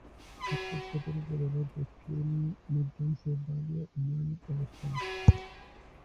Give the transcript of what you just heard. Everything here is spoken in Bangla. চাঁদপুর সদর উপজেলার দক্ষিণ-মধ্যাংশে বালিয়া ইউনিয়নের অবস্থান।